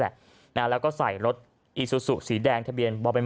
แหละนะแล้วก็ใส่รถอีซูซูสีแดงทะเบียนบ่อเป็น